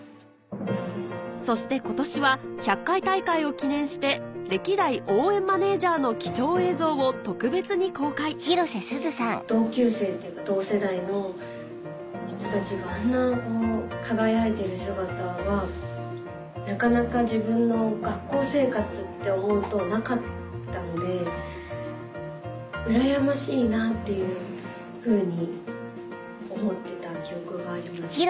そして今年は１００回大会を記念して歴代応援マネージャーの貴重映像を特別に公開同級生っていうか同世代の人たちがあんな輝いている姿はなかなか自分の学校生活って思うとなかったのでうらやましいなっていうふうに思ってた記憶があります。